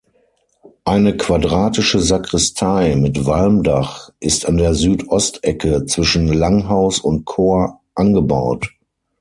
Eine quadratische Sakristei mit Walmdach ist an der Süd-Ost-Ecke zwischen Langhaus und Chor angebaut.